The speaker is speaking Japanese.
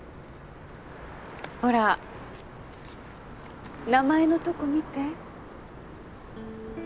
ほら名前のとこ見て。